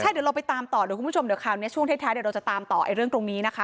เดี๋ยวเราไปตามต่อเดี๋ยวคุณผู้ชมเดี๋ยวคราวนี้ช่วงท้ายเดี๋ยวเราจะตามต่อเรื่องตรงนี้นะคะ